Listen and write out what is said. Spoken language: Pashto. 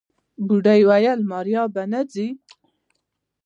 بوډۍ وويل ماريا به نه ځي.